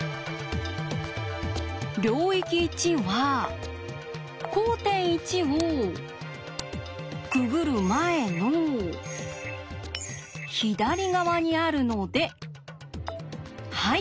領域１は交点１をくぐる前の左側にあるのではい